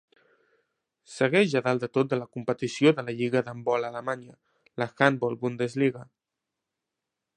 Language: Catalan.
Segueix a dalt de tot de la competició de la Lliga d'Handbol a Alemanya: la Handball-Bundesliga.